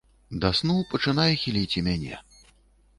Да сну пачынае хіліць і мяне.